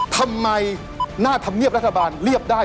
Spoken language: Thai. ทำไมหน้าธรรมเนียบรัฐบาลเรียบได้